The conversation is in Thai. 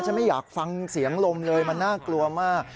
ไม่อยากฟังเสียงลมเลยมันน่ากลัวมาก